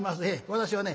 私はね